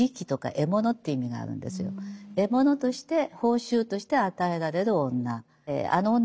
獲物として報酬として与えられる女。